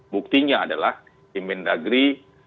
buktinya adalah inmen dagri